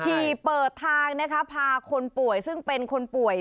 เปิดทางนะคะพาคนป่วยซึ่งเป็นคนป่วย